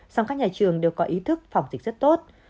song các nhà trường đều có ý thức phòng dịch rất tốt